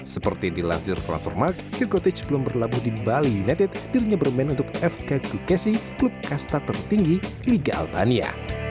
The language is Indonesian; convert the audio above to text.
seperti dilansir franver mark firgotaj belum berlabuh di bali united dirinya bermain untuk fk kruicasi klub kasta tertinggi liga albania